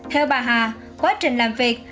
theo bà hà quá trình làm việc